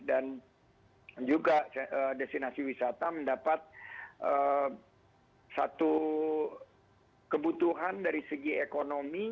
dan juga destinasi wisata mendapat satu kebutuhan dari segi ekonomi